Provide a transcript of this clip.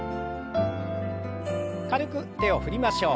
軽く手を振りましょう。